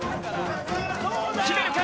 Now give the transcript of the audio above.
決めるか？